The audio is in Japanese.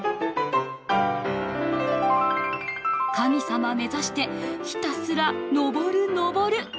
神様目指してひたすら上る上る。